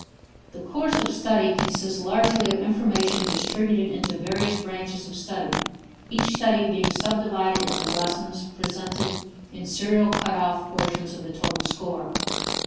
The "course of study" consists largely of information distributed into various branches of study, each study being subdivided into lessons presenting in serial cutoff portions of the total store.